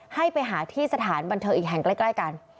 ให้ไปหาที่สถานบันเทิงอีกแห่งใกล้กัน